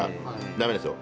ダメですよ。